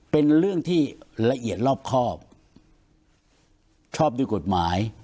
เป็นเรื่องที่ละเอียดรอบครอบชอบด้วยกฎหมาย